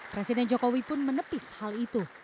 presiden jokowi pun menepis hal itu